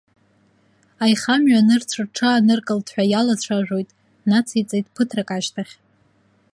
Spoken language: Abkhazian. Аихамҩа нырцә рҽааныркылт ҳәа иалацәажәоит, нациҵеит ԥыҭрак ашьҭахь.